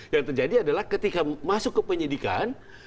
yang terjadi adalah ketika masuk ke penyidikan